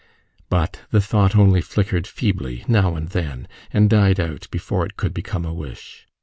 But the thought only flickered feebly now and then, and died out before it could become a wish.